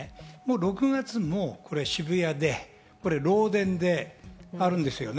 ６月も渋谷で漏電で、あるんですよね。